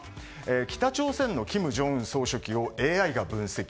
北朝鮮の金正恩総書記をＡＩが分析。